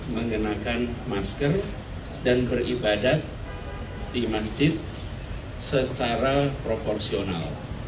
mengenakan masker dan beribadat di masjid secara proporsional